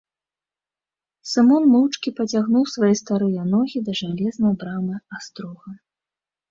Сымон моўчкі пацягнуў свае старыя ногі да жалезнай брамы астрога.